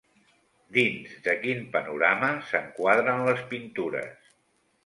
Dins de quin panorama s'enquadren les pintures?